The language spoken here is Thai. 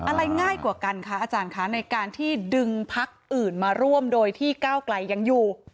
อะไรง่ายกว่ากันคะอาจารย์คะในการที่ดึงพักอื่นมาร่วมโดยที่ก้าวไกลยังอยู่